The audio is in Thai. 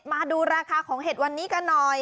มาดูราคาของเห็ดวันนี้กันหน่อย